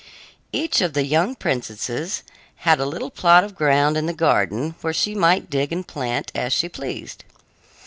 Each of the young princesses had a little plot of ground in the garden, where she might dig and plant as she pleased.